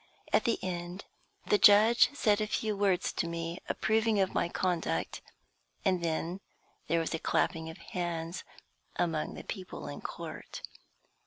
At the end, the judge said a few words to me approving of my conduct, and then there was a clapping of hands among the people in court.